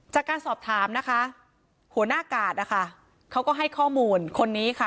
จากการสอบถามนะคะหัวหน้ากาดนะคะเขาก็ให้ข้อมูลคนนี้ค่ะ